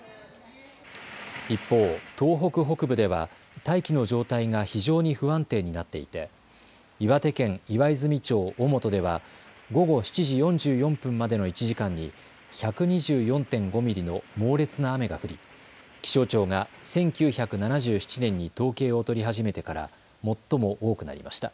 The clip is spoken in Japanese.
一方、東北北部では大気の状態が非常に不安定になっていて岩手県岩泉町小本では午後７時４４分までの１時間に１２４．５ミリの猛烈な雨が降り、気象庁が１９７７年に統計を取り始めてから最も多くなりました。